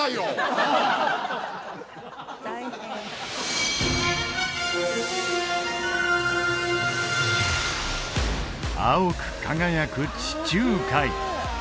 大変青く輝く地中海